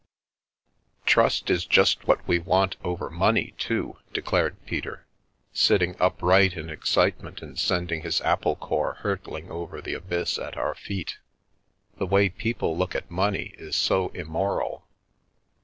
" Trust is just what we want over money too," de clared Peter, sitting upright in excitement and sending his apple core hurtling over the abyss at our feet ;" the way people look at money is so immoral.